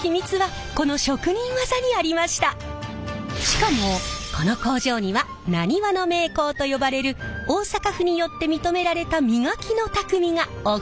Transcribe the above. しかもこの工場にはなにわの名工と呼ばれる大阪府によって認められた磨きのタクミがお二人在籍。